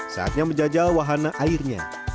saatnya menjaga wahana airnya